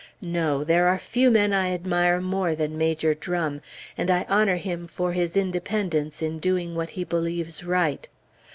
No! There are few men I admire more than Major Drum, and I honor him for his independence in doing what he believes right.